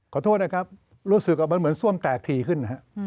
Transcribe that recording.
ขอโทษนะครับรู้สึกว่ามันเหมือนซ่วมแตกทีขึ้น